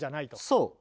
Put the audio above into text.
そう！